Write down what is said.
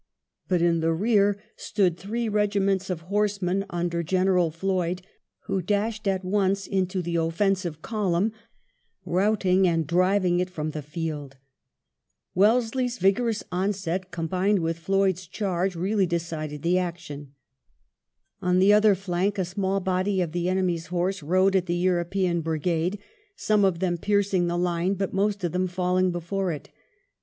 But in the rear stood three regiments of horsemen under General Floyd, who dashed at once into the offensive column, routing and driving it from the field. Wellesley's vigorous onset, combined with Floyd's charge, really decided the action. On the other flank, a small body of the enemy's horse rode at the European brigade, some of them piercing the line, but most of them falling before it.